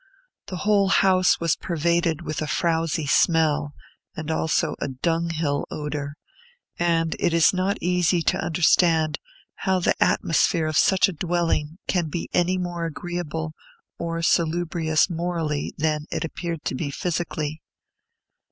The whole house was pervaded with a frowzy smell, and also a dunghill odor; and it is not easy to understand how the atmosphere of such a dwelling can be any more agreeable or salubrious morally than it appeared to be physically.